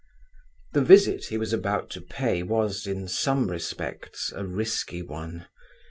The visit he was about to pay was, in some respects, a risky one.